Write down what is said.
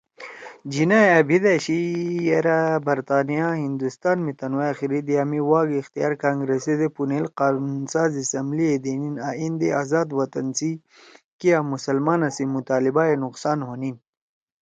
جناح ئے أ بھیِت أشی یرأ برطانیہ ہندوستان می تنُو آخری دِیا می واگ اختیار کانگرسے دے پُونیل قانون ساز اسمبلی ئے دینیِن آں ایندے آزاد وطن سی کیا مسلمانا سی مطالبہ ئے نقصان ہونیِن